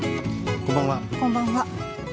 こんばんは。